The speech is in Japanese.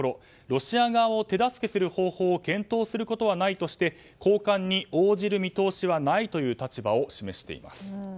ロシア側を手助けする方法を検討することはないとして交換に応じる見通しはないという立場を示しています。